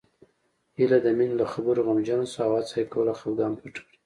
هيله د مينې له خبرو غمجنه شوه او هڅه يې کوله خپګان پټ کړي